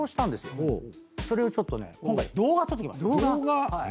それをちょっとね今回動画撮ってきました。